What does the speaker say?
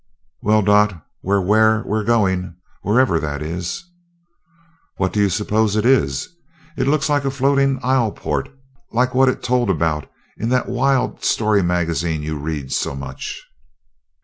"Well, Dot, we're where we're going, wherever that is." "What do you suppose it is? It looks like a floating isleport, like what it told about in that wild story magazine you read so much."